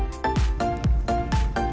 imas membantu mencari kerang